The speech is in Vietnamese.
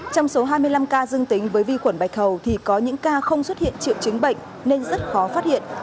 trong số hai mươi năm ca dương tính với vi khuẩn bạch hầu thì có những ca không xuất hiện triệu chứng bệnh nên rất khó phát hiện